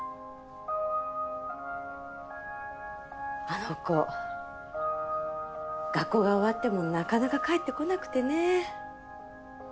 あの子学校が終わってもなかなか帰ってこなくてね。